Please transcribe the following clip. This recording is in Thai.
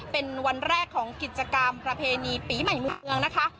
เป็นวันแรกของกิจกรรมประเพณีปีใหม่มุมเมืองนะคะ